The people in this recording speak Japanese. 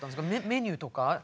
メニューとか？